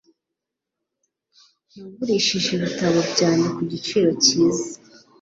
Nagurishije ibitabo byanjye ku giciro cyiza.